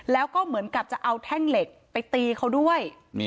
แล้วก็เหมือนกับจะเอาแท่งเหล็กไปตีเขาด้วย